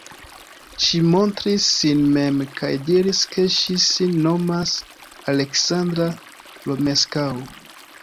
Ŝi montris sin mem kaj diris, ke ŝi sin nomas Aleksandra Romeskaŭ.